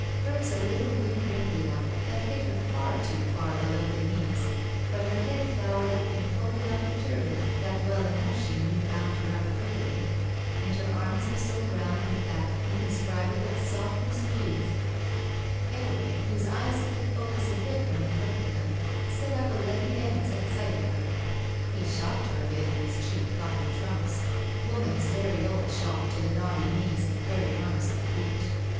Hers a little blue wrinkly one that hit her far too far, below the knees, but her head flowered up in a polka dotted turban, that well enough she knew bound her up prettily, and her arms were so round with that indescribable sof tiness of youth ! Getaway, whose eyes could focus 127 THE VERTICAL CITY a bit when he looked at them, set up a leggy dance at sight of her. He shocked her a bit in hLs cheap cotton trunks — ^woman's very old shock to the knobby knees and hairy arms of the beach.